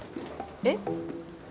えっ？